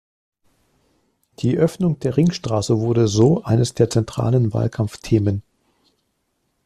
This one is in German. Die Öffnung der Ringstraße wurde so eines der zentralen Wahlkampfthemen.